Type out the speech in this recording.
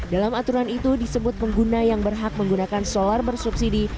dalam aturan itu disebut pengguna yang berhak menggunakan solar bersubsidi